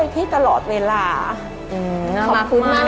การที่บูชาเทพสามองค์มันทำให้ร้านประสบความสำเร็จ